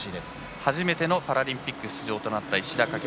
初めてのパラリンピック出場となった石田駆。